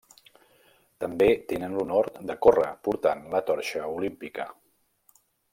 També tenen l'honor de córrer portant la torxa olímpica.